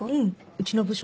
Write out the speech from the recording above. うちの部署